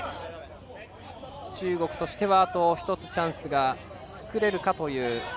中国としては、あと１つチャンスが作れるかという。